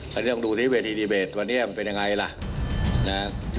อันนี้ต้องดูที่เวทีดีเบตวันนี้มันเป็นยังไงล่ะนะ